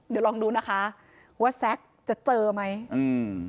เดี๋ยวลองดูนะคะว่าแซ็กจะเจอไหมอืม